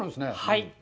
はい。